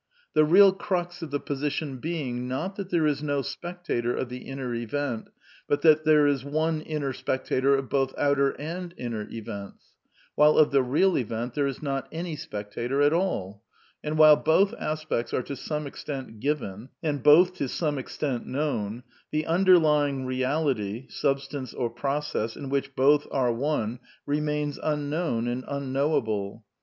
The r eal crux of the position being , not that there is no spectator of the inner event, but that there is one inner X ' II Mil I I II n II. III II III ■ spectat or of both outer and inner events ; while of the real ^re IS not any spectator at ail; and while both aspects are to some extent given, and both to some extent known, the underlying reality (substance or process) in which both are one, remains unknown and unknowable.